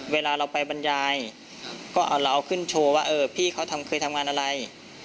เวลาเราไปบรรยายก็เอาเราขึ้นโชว์ว่าเออพี่เขาเคยทำงานอะไร